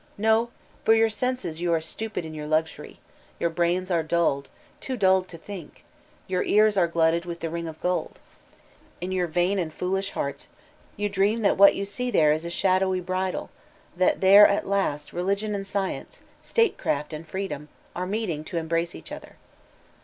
No ! for jrour senses are stupid in your luxury, your brains are dulled, too dtiDed to think, your ears are glutted with the ring of gold. In your vain and foolish hearts you dream that 398 VOLTAIRINE DE ClEYSE what you see there is a shadowy bridal; that there, at last. Religion and Science, Statecraft and Freedom, are meeting to embrace each other.